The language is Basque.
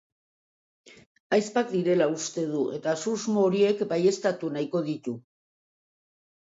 Ahizpak direla uste du eta susmo horiek baieztatu nahiko ditu.